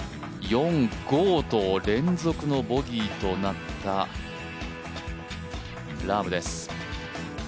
４、５と連続のボギーとなったラームです。